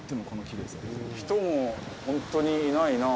人も本当にいないなあ。